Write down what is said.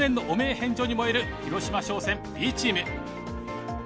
返上に燃える広島商船Ｂチーム。